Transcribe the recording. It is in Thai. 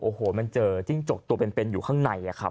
โอ้โหมันเจอจิ้งจกตัวเป็นอยู่ข้างในครับ